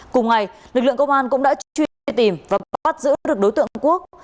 cùng ngày lực lượng công an cũng đã truy truy tìm và bắt giữ được đối tượng quốc